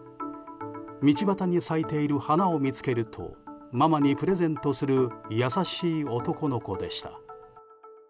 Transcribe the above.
道端に咲いている花を見つけるとママにプレゼントする優しい男の子でした。